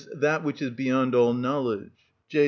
_, that which is beyond all knowledge (J.